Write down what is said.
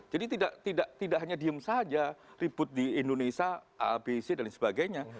jadi tidak hanya diem saja ribut di indonesia abc dan sebagainya